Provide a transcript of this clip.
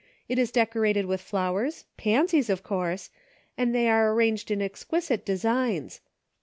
It is decorated with flowers, pansies, of course, and they are arranged in exquisite designs.